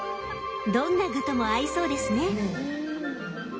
どんな具とも合いそうですね！